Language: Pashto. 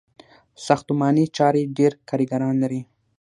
ساختماني چارې ډیر کارګران لري.